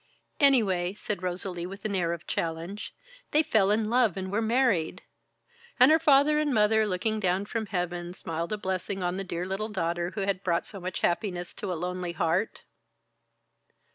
"Anyway," said Rosalie, with an air of challenge, "they fell in love and were married " "And her father and mother, looking down from heaven, smiled a blessing on the dear little daughter who had brought so much happiness to a lonely heart?"